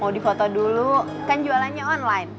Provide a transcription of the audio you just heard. mau di foto dulu kan jualannya online